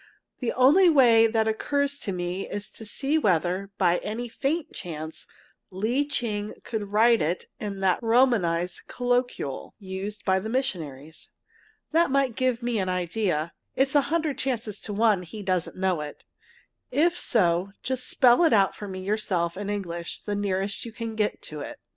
The only way that occurs to me is to see whether, by any faint chance, Lee Ching could write it in that Romanized Colloquial, used by the missionaries. That might give me an idea. It's a hundred chances to one, he doesn't know it. If so, just spell it out for me yourself in English the nearest you can get to it.